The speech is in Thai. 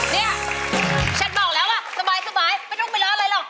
เนี่ยฉันบอกแล้วว่าสบายไม่ต้องไปล้ออะไรหรอก